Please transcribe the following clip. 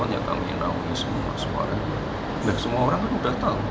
yang lepas saja pembahaguan dan perubahan